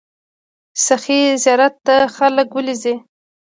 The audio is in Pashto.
سخي زیارت ته خلک ولې ځي؟